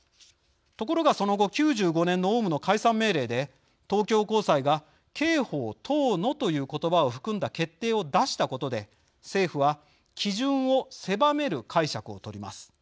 ところが、その後９５年のオウムの解散命令で東京高裁が刑法等のという言葉を含んだ決定を出したことで政府は基準を狭める解釈を取ります。